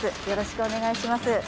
よろしくお願いします